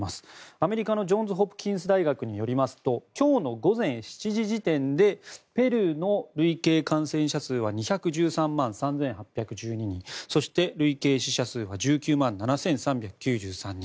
アメリカのジョンズ・ホプキンス大学によりますと今日の午前７時時点でペルーの累計感染者数は２１３万３８１２人そして、累計死者数が１９万７３９３人。